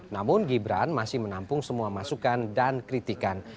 namun gibran masih menampung semua masukan dan kritikan